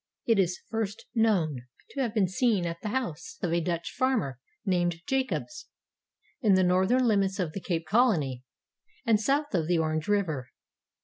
It is first known to have been seen at the house of a Dutch farmer named Jacobs, in the northern limits of the Cape Colony, and south of the Orange River.